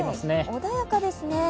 穏やかですね。